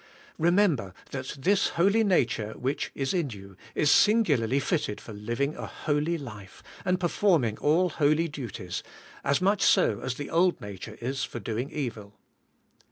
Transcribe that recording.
Remember that this holy nature which is in you is singularly fitted for living a holy life, and performing all holy duties, as much so as the old nature is for doing evil.